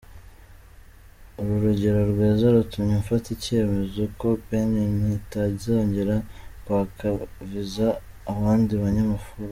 Uru rugero rwiza rutumye mfata icyemezo ko Benin itazongera kwaka viza abandi Banyafurika.”